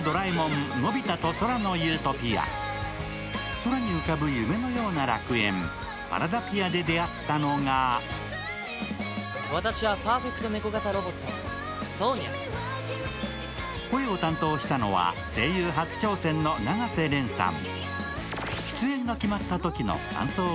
空に浮かぶ夢のような楽園、パラダピアで出会ったのが声を担当したのは声優初挑戦の永瀬廉さん。